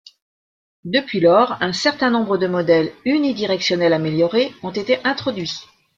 Depuis lors, un certain nombre de modèles unidirectionnels améliorés ont été introduits.